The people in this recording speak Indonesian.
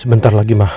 sebentar lagi ma